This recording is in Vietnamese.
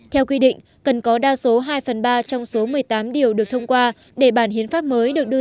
theo quy định cần có đa số hai phần ba trong số một mươi tám điều được thông qua để bản hiến pháp mới được đưa